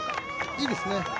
いいですね。